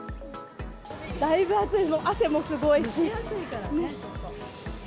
だいぶ暑い、もう汗もすごいし。